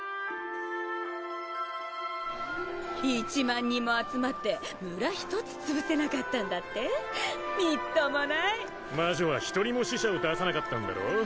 ・１万人も集まって村一つ潰せなかったんだってみっともない魔女は一人も死者を出さなかったんだろ？